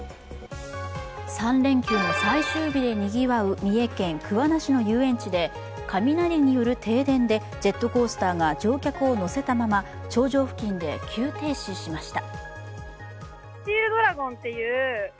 ３連休の最終日でにぎわう三重県桑名市の遊園地で雷による停電でジェットコースターが乗客を乗せたまま頂上付近で急停止しました。